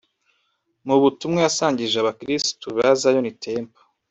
Mu butumwa yasangije abakristo ba Zion Temple